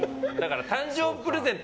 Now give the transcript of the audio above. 誕生日プレゼント